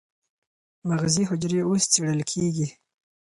مغزي حجرې اوس څېړل کېږي.